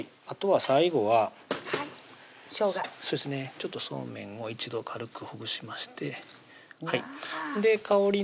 あとは最後はしょうがそうめんを一度軽くほぐしましてうわ